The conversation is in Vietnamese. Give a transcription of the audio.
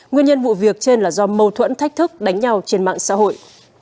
nguyên nhân vụ việc trên là do mâu thuẫn thách thức đánh nhau trên mạng xã hội